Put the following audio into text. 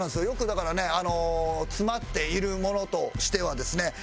よくだからね詰まっているものとしてはですね